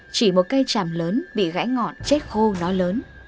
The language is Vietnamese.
chỉ một cây tràm lớn bị gãy ngọn chết khô nó lớn